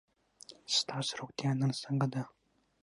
ستاسو روغتیا نن څنګه ده؟